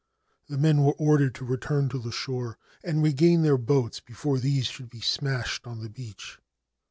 The men were ordered to return to the shore and regain their boats before these should be smashed on the beach.